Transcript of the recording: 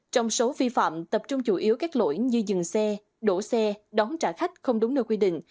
trong số vi phạm tập trung chủ yếu các lỗi như dừng xe đổ xe đón trả khách không đúng nơi quy định